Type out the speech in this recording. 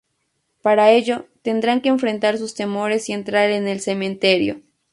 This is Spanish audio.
Para ello, tendrán que enfrentar sus temores y entrar en el cementerio.